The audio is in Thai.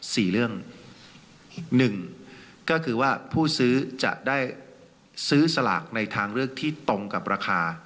สี่เรื่องหนึ่งก็คือว่าผู้ซื้อจะได้ซื้อสลากในทางเลือกที่ตรงกับราคา